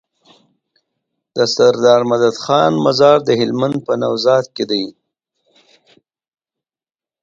دسردار مدد خان مزار د هلمند په نوزاد کی دی